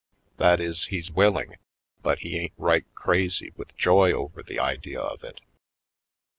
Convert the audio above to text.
That is, he's willing, but he ain't right crazy with joy over the idea of it.